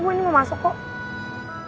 wah ini mau masuk kok